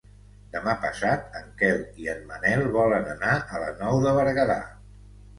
Demà passat en Quel i en Manel volen anar a la Nou de Berguedà.